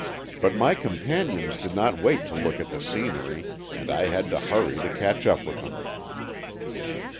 But my companions did not wait to look at the scenery, and I had to hurry to catch up with them.